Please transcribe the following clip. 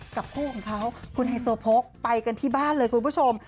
คู่ของเขาคุณไฮโซโพกไปกันที่บ้านเลยคุณผู้ชม